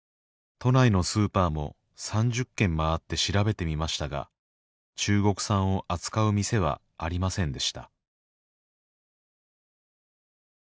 都内のスーパーも３０軒回って調べてみましたが中国産を扱う店はありませんでした